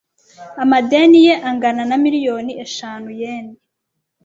Amadeni ye angana na miliyoni eshanu yen.